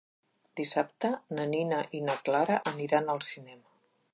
Dissabte na Nina i na Clara aniran al cinema.